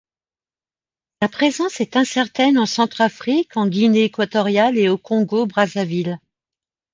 Sa présence est incertaine en Centrafrique, en Guinée équatoriale et au Congo-Brazzaville.